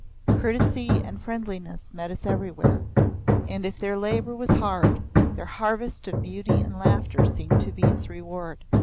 Courtesy and friendliness met us everywhere, and if their labor was hard, their harvest of beauty and laughter seemed to be its reward.